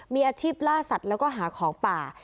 มีอาชีพล่าสัตว์แล้วก็หาของป่า